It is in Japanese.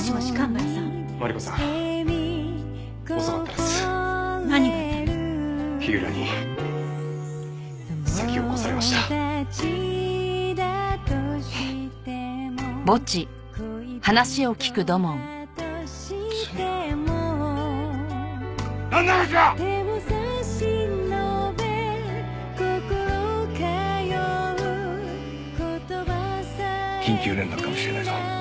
なんの話だ！？緊急連絡かもしれないぞ。